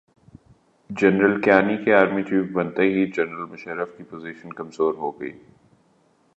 General Kayani کے army chief بنتے ہی جنرل مشرف کی پوزیشن کمزورہوگئی۔